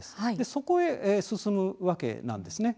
そこへ進むわけなんですね。